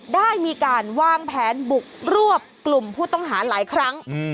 ได้มีการวางแผนบุกรวบกลุ่มผู้ต้องหาหลายครั้ง